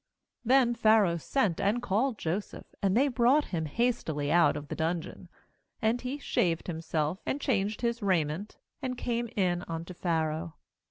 14Then Pharaoh sent and called Jo seph, and they brought him hastily out of the dungeon. And he shaved himself, and changed his raiment, and came in unto Pharaoh.